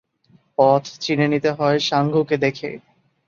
পথ চিনে নিতে হয় সাঙ্গুকে দেখে।